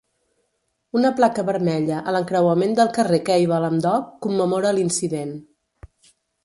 Una placa vermella a l'encreuament del carrer Cable amb Dock commemora l'incident.